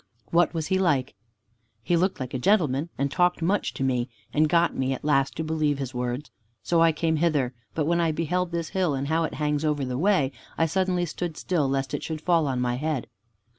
"What was he like?" "He looked like a gentleman, and talked much to me, and got me at last to believe his words. So I came hither, but when I beheld this hill and how it hangs over the way, I suddenly stood still lest it should fall on my head."